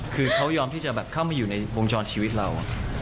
คือเขายอมที่จะแบบเข้ามาอยู่ในวงจรชีวิตเรา